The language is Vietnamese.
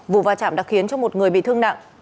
vụ va chạm đã khiến cho một người bị thương nặng